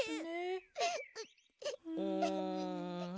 うん。